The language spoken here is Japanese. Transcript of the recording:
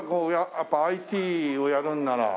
やっぱＩＴをやるんなら。